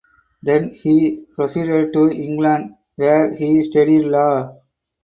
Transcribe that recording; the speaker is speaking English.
Then he proceeded to England where he studied Law.